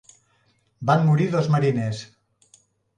Van morir dos mariners.